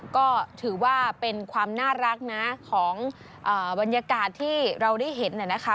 ก็ถือว่าเป็นความน่ารักนะของบรรยากาศที่เราได้เห็นนะคะ